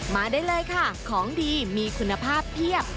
มาได้เลยค่ะของดีมีคุณภาพเพียบ